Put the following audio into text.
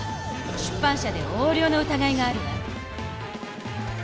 出版社で横領のうたがいがあるわ。